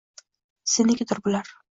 Senikidir bular